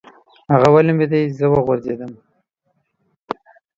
هغه ولمبېده، زه وغورځېدم.